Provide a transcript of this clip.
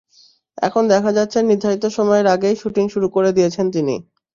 এখন দেখা যাচ্ছে নির্ধারিত সময়ের আগেই শুটিং শুরু করে দিয়েছেন তিনি।